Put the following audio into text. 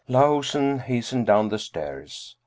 Lahusen hastened down the stairs.